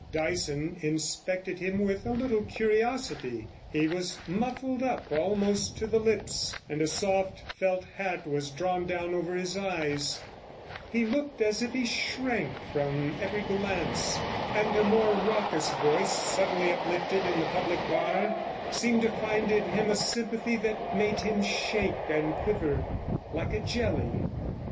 Dyson inspected him with a little curiosity. He was muffled up almost to the lips, and a soft felt hat was drawn down over his eyes; he looked as if he shrank from every glance, and a more raucous voice suddenly uplifted in the public bar seemed to find in him a sympathy that made him shake and 128 quiver like a jelly.